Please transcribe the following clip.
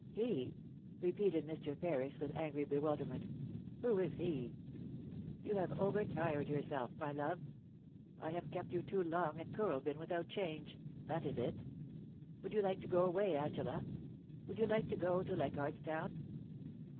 * He r repeated Mr. Ferris, with angry bewilderment ;* who is he ? You have overtired yourself, my love. I have kept you too long at Kooralbyn without change — that is it. Would you like to go away, Angela ? Would you like to go to Leichardt's Town